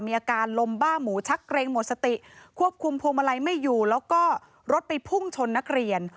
มีอาการลมบ้าหมูชักเกรงหมดสติควบคุมพวงมาลัยไม่อยู่แล้วก็รถไปพุ่งชนนักเรียน